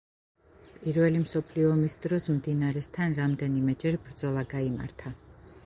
პირველი მსოფლიო ომის დროს მდინარესთან რამდენიმეჯერ ბრძოლა გაიმართა.